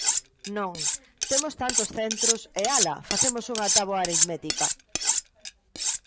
Non, temos tantos centros e ¡ala!, facemos unha táboa aritmética.